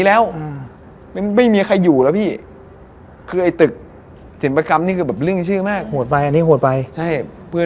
แล้วกลิ่นเหม็นหรือกลิ่นหอม